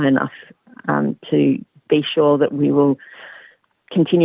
sekarang harga vaksinasi yang cukup tinggi